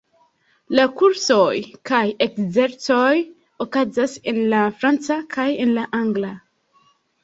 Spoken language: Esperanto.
La kursoj kaj ekzercoj okazas en la franca kaj en la angla.